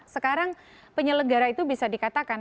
sekarang penyelenggara itu bisa dikatakan